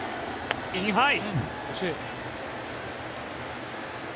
インハイ。